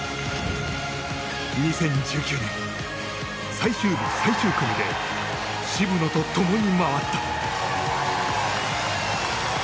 ２０１９年最終日、最終組で渋野とともに回った。